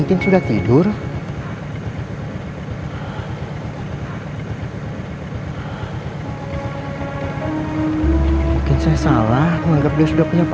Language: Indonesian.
percuma ditungguin gak bakalan nelfon lagi